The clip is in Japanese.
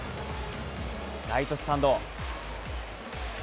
ライトスタンド。